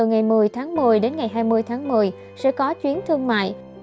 những thông tin từ ngày một mươi tháng một mươi đến ngày hai mươi tháng một mươi sẽ có chuyến thương mại